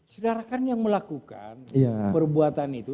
saudara kan yang melakukan perbuatan itu